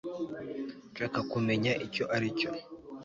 ndashaka kumenya icyo aricyo